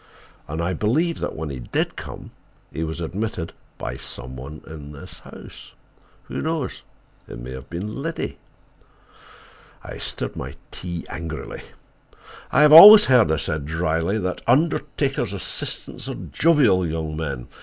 And I believe that when he did come he was admitted by some one in the house. Who knows—it may have been—Liddy!" I stirred my tea angrily. "I have always heard," I said dryly, "that undertakers' assistants are jovial young men.